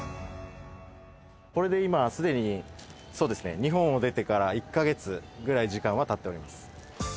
これで今、すでに日本を出てから１か月ぐらい時間はたっております。